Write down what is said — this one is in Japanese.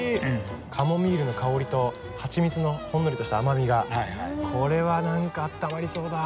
カモミールの香りとハチミツのほんのりとした甘みがこれはなんかあったまりそうだ。